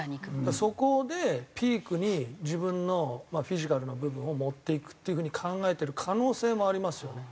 そこでピークに自分のフィジカルの部分を持っていくっていう風に考えてる可能性もありますよね。